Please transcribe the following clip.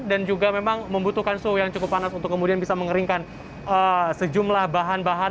dan juga memang membutuhkan suhu yang cukup panas untuk kemudian bisa mengeringkan sejumlah bahan bahan